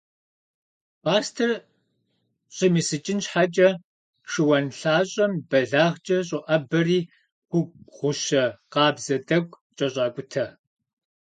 Пӏастэр щӏимысыкӏын щхьэкӏэ, шыуан лъащӏэм бэлагъкӏэ щӏоӏэбэри, хугу гъущэ къабзэ тӏэкӏу кӏэщӏакӏутэ.